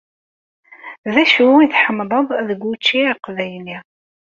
D acu i tḥemmleḍ deg učči aqbayli?